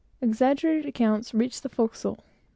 Exaggerated accounts reached the forecastle.